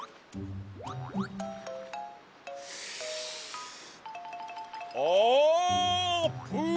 スあーぷん！